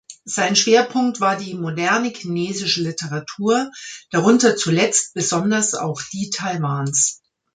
Sein Schwerpunkt war die moderne chinesische Literatur, darunter zuletzt besonders auch die Taiwans.